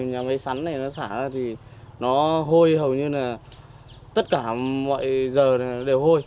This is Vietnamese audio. nhà máy sắn này nó xả ra thì nó hôi hầu như là tất cả mọi giờ đều hôi